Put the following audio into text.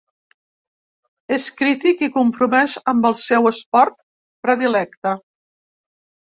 És crític i compromès amb el seu esport predilecte.